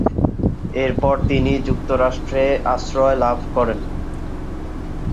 এরপর তিনি যুক্তরাষ্ট্রে আশ্রয় লাভ করেন।